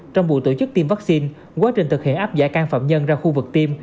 trong buổi tổ chức tiêm vaccine quá trình thực hiện áp giải căn phạm nhân ra khu vực tiêm